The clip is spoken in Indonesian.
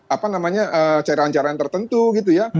apa namanya ceceran ceceran tertentu gitu ya